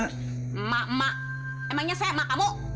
emak emak emangnya saya emak kamu